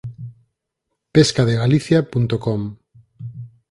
Pesca de Galicia.com